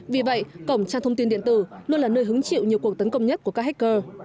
vì vậy cổng trang thông tin điện tử luôn là nơi hứng chịu nhiều cuộc tấn công nhất của các hacker